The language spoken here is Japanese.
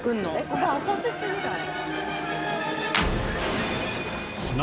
「これ浅瀬すぎない？」